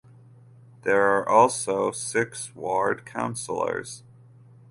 There are also six ward councillors.